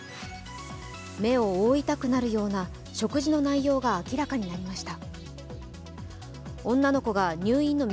目を覆いたくなるような食事の内容が明らかになりました。